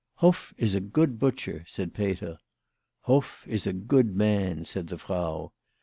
" Hoff is a good butcher," said Peter. " Hoff is a good man," said the Frau.